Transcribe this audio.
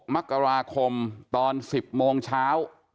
มกราคมตอน๑๐โมงเช้า